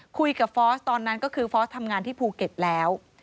ฟอสตอนนั้นก็คือฟอสทำงานที่ภูเก็ตแล้ว